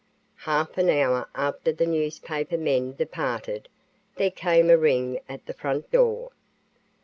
Half an hour after the newspaper men departed, there came a ring at the front door.